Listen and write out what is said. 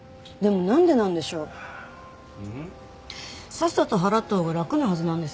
さっさと払ったほうが楽なはずなんです。